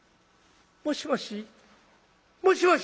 「もしもし」。